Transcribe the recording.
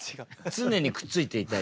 常にくっついていたい。